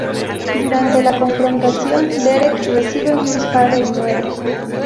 Durante la confrontación, Derek recibe un disparo y muere.